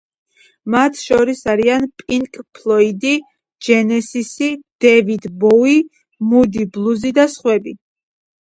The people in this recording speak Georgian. მათ შორის არიან პინკ ფლოიდი, ჯენესისი, დევიდ ბოუი, მუდი ბლუზი და სხვები.